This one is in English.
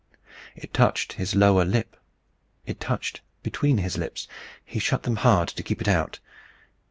It touched his lower lip. It touched between his lips. He shut them hard to keep it out.